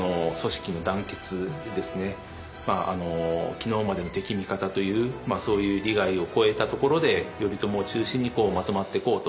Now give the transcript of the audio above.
昨日までの敵味方というそういう利害を超えたところで頼朝を中心にまとまっていこうと。